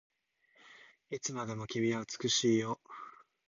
いつまでも君は美しいよ